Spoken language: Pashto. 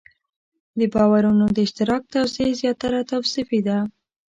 د باورونو د اشتراک توضیح زیاتره توصیفي ده.